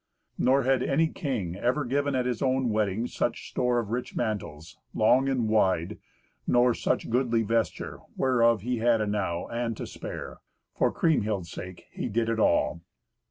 Nor had any king ever given at his own wedding such store of rich mantles, long and wide, nor such goodly vesture, whereof he had enow and to spare. For Kriemhild's sake he did it all.